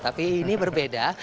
tapi ini berbeda